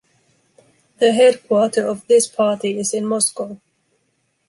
The headquarter of this Party is in Moscow.